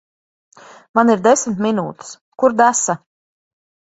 Man ir desmit minūtes. Kur desa?